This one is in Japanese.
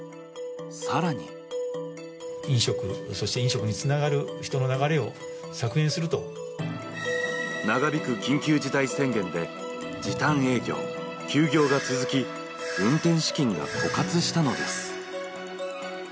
更に長引く緊急事態宣言で時短営業、休業が続き運転資金が枯渇したのです。